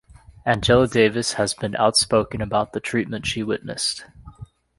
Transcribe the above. Angela Davis has been outspoken about the treatment she witnessed.